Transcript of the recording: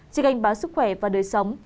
chỉ gánh báo sức khỏe và đời sống